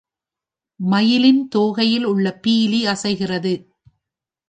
மயிலின் தோகையில் உள்ள பீலி அசைகிறது.